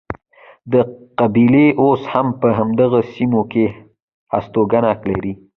دا قبیلې اوس هم په همدغو سیمو کې هستوګنه لري.